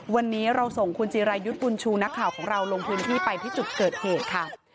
วันนี้เราส่งคุณจิรายุทธ์บุญชูนักข่าวของเราลงพื้นที่ไปที่จุดเกิดเหตุค่ะ